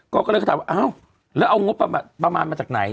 ก็เลยก็ถามว่าอ้าวแล้วเอางบประมาณมาจากไหน